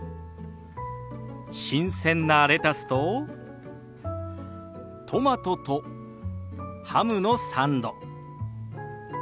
新鮮なレタスとトマトとハムのサンド。